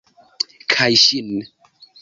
Kaj ŝin.